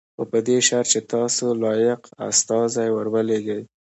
خو په دې شرط چې تاسو لایق استازی ور ولېږئ.